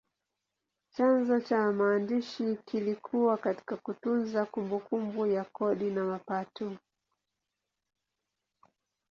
Chanzo cha maandishi kilikuwa katika kutunza kumbukumbu ya kodi na mapato.